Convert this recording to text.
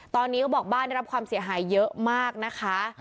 ตอนนี้เขาบอกบ้านได้รับความเสียหายเยอะมากนะคะ